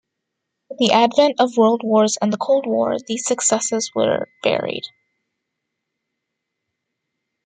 With the advent of World Wars and the Cold War, these successes were buried.